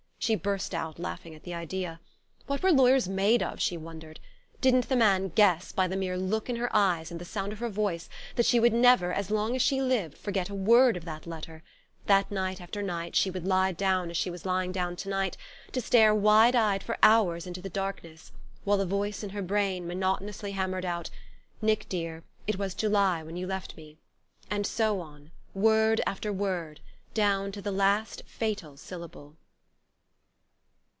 She burst out laughing at the idea. What were lawyers made of, she wondered? Didn't the man guess, by the mere look in her eyes and the sound of her voice, that she would never, as long as she lived, forget a word of that letter that night after night she would lie down, as she was lying down to night, to stare wide eyed for hours into the darkness, while a voice in her brain monotonously hammered out: "Nick dear, it was July when you left me..." and so on, word after word, down to the last fatal syllable?